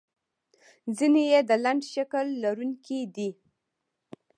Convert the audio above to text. ځینې یې د لنډ شکل لرونکي دي.